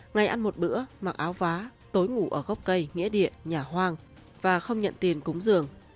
ngày ăn một bữa mặc áo vá tối ngủ ở gốc cây nghĩa địa nhà hoang và không nhận tiền cúng dường